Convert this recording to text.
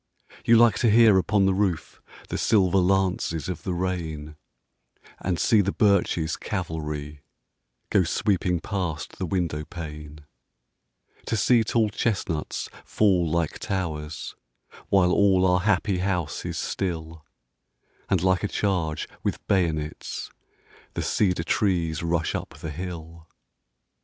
You like to hear upon the roof The silver lances of the rain, And see the birches' cavalry Go sweeping past the window pane: To see tall chestnuts fall like towers, While all our happy house is still, And like a charge with bayonets The cedar trees rush up the hill.